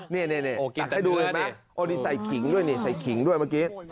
นี่อ้าวนี่ใส่ขิงด้วยใส่ขิงด้วยเมื่อกี้